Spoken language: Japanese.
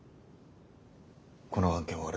この案件は俺が。